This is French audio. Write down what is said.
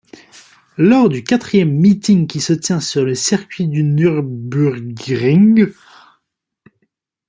Lors du quatrième meeting qui se tient sur le Circuit du Nürburgring.